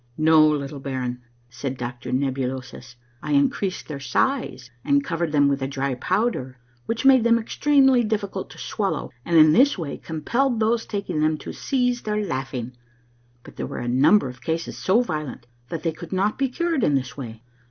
" No, little baron," said Doctor Nebulosus ;" I increased their size and covered them with a dry powder, which made them extremely difficult to swallow, and in this way compelled those taking them to cease their laughing. But there were a number of cases so violent that they could not be cured in this way.